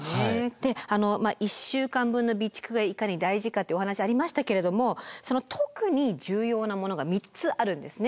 で１週間分の備蓄がいかに大事かというお話ありましたけれどもその特に重要なものが３つあるんですね。